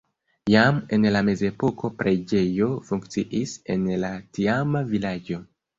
Jam en la mezepoko preĝejo funkciis en la tiama vilaĝo.